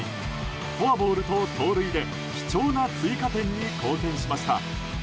フォアボールと盗塁で貴重な追加点に貢献しました。